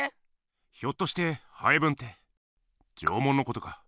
ひょっとしてハエブンって縄文のことか？